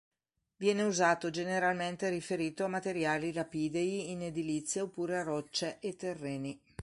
Viene usato generalmente riferito a materiali lapidei in edilizia oppure a rocce e terreni.